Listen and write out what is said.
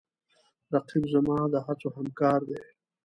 رقیب زما د هڅو همکار دی